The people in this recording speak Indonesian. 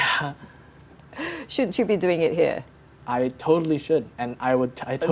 apakah kamu harus melakukannya di sini